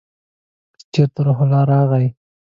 که چېرته روح الله راغی !